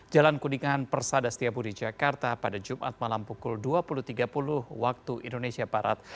jalan kuningan persada setiabudi jakarta pada jumat malam pukul dua puluh tiga puluh waktu indonesia barat